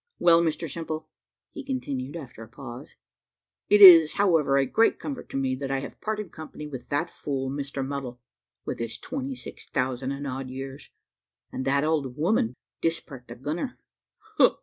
"Well, Mr Simple," continued he, after a pause, "it is however a great comfort to me that I have parted company with that fool, Mr Muddle, with his twenty six thousand and odd years, and that old woman, Dispart the gunner.